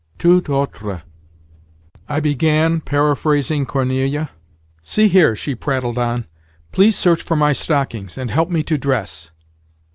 "Tout autre—" I began, paraphrasing Corneille. "See here," she prattled on. "Please search for my stockings, and help me to dress.